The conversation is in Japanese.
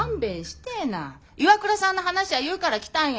ＩＷＡＫＵＲＡさんの話やいうから来たんや。